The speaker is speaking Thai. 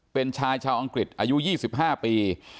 เป็นชายชาวอังกฤษอายุ๒๕ปี